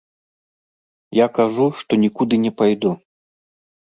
Я кажу, што нікуды не пайду.